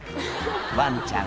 ワンちゃん